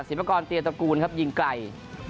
สินพักรณ์เตรียมตระกูลยิงไกล